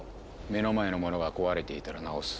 目の前のものが壊れていたらなおす。